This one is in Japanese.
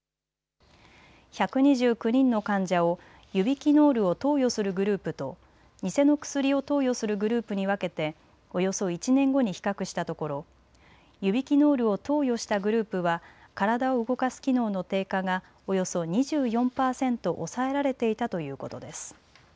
１２９人の患者をユビキノールを投与するグループと偽の薬を投与するグループに分けておよそ１年後に比較したところユビキノールを投与したグループは体を動かす機能の低下がおよそ２４パーセント抑えられていたということです。